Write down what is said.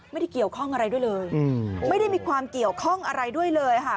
ไม่ได้เกี่ยวข้องอะไรด้วยเลยไม่ได้มีความเกี่ยวข้องอะไรด้วยเลยค่ะ